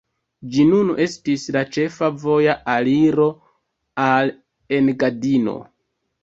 Ĝi nun estis la ĉefa voja aliro al Engadino.